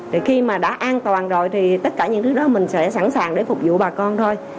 thì khi mà đã an toàn rồi thì tất cả những thứ đó mình sẽ sẵn sàng để phục vụ bà con thôi